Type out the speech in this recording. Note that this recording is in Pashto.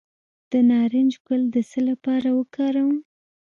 د نارنج ګل د څه لپاره وکاروم؟